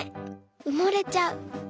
うもれちゃう」。